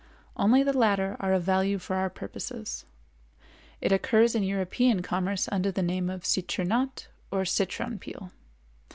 Only the latter are of value for our purposes. It occurs in European commerce under the name of Citronat or citron peel.